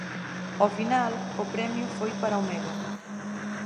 Ao final, o premio foi para o medo.